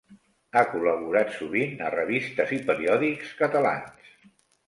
Ha col·laborat sovint a revistes i periòdics catalans.